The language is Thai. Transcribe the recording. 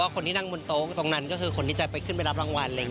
คนที่นั่งบนโต๊ะตรงนั้นก็คือคนที่ใจไปขึ้นเรียนรางวัล